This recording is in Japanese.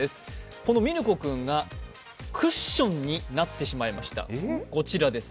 このミルコ君がクッションになってしまいました、こちらです。